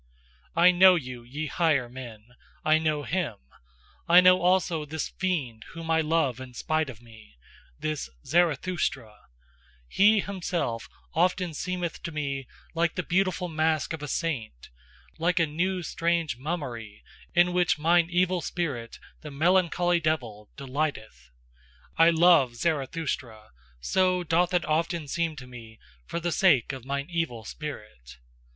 I know you, ye higher men, I know him, I know also this fiend whom I love in spite of me, this Zarathustra: he himself often seemeth to me like the beautiful mask of a saint, Like a new strange mummery in which mine evil spirit, the melancholy devil, delighteth: I love Zarathustra, so doth it often seem to me, for the sake of mine evil spirit.